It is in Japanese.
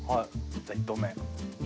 じゃあ１投目。